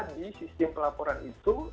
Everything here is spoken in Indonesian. di sistem pelaporan itu